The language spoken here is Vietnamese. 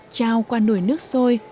trao qua nồi nước sôi